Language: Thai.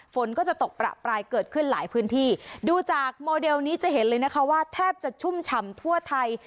ฝนก็จะตกประปรายเกิดขึ้นหลายพื้นที่ดูจากโมเดลนี้จะเห็นเลยนะคะว่าแทบจะชุ่มฉ่ำทั่วไทย